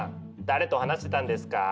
誰と話してたんですか？